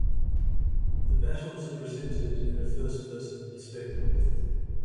The battles are presented in a first-person perspective.